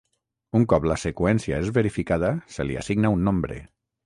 Un cop la seqüència és verificada se li assigna un nombre.